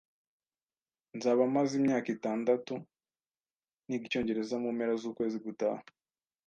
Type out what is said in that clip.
Nzaba maze imyaka itandatu niga icyongereza mu mpera z'ukwezi gutaha